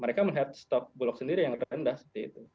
mereka melihat stok bulog sendiri yang rendah seperti itu